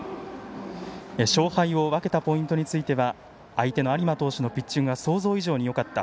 勝敗を分けたポイントについては相手の有馬投手のピッチングが想像以上によかった。